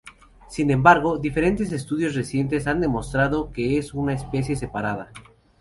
Sin embargo, diferentes estudios recientes, han demostrado que es una especie separada.